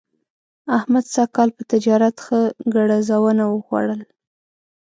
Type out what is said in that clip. احمد سږ کال په تجارت ښه ګړزونه وخوړل.